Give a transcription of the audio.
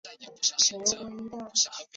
首府凯尔采。